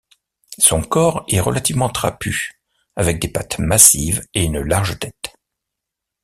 Son corps est relativement trapu, avec des pattes massives et une large tête.